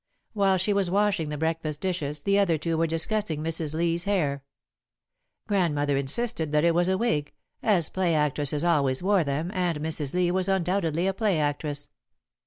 While she was washing the breakfast dishes the other two were discussing Mrs. Lee's hair. Grandmother insisted that it was a wig, as play actresses always wore them and Mrs. Lee was undoubtedly a play actress.